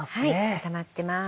固まってます。